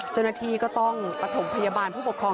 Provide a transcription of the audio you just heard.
เจ้าหน้าที่ก็ต้องประถมพยาบาลผู้ปกครอง